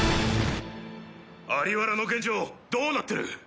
在原の現場どなってる！？